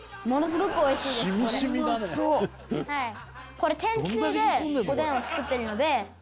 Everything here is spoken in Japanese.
「これ天つゆでおでんを作ってるので」